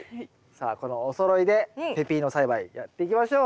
さあこのおそろいでペピーノ栽培やっていきましょう。